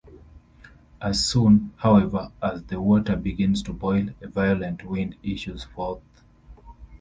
As soon, however, as the water begins to boil, a violent wind issues forth.